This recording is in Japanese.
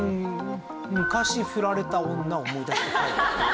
昔ふられた女を思い出して描いた。